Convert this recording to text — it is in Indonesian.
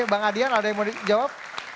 bang adian ada yang mau dijawab